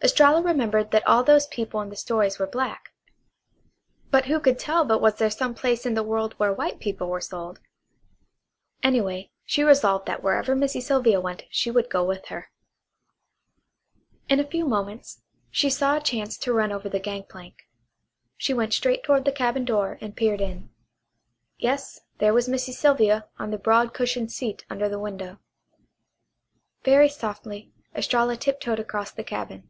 Estralla remembered that all those people in the stories were black; but who could tell but what there was some place in the world where white people were sold? Anyway, she resolved that wherever Missy Sylvia went she would go with her. In a few moments she saw a chance to run over the gangplank. She went straight toward the cabin door and peered in. Yes, there was Missy Sylvia on the broad cushioned seat under the window. Very softly Estralla tiptoed across the cabin.